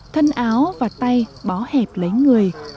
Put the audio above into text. thân áo và tay bó hẹp lấy người